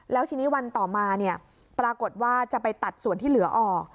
แล้วทีนี้วันต่อมาปรากฏว่าจะไปตัดส่วนที่เหลือออก